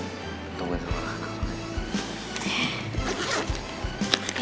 tai kita di sana